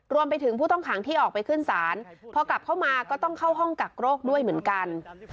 รวมไปถึงผู้ต้องขังที่ออกไปขึ้นศาลพอกลับเข้ามาก็ต้องเข้าห้องกักโรคด้วยเหมือนกัน